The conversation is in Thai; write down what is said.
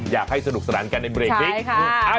อยากให้สนุกสลันกันในเบรกพลิกใช่ค่ะ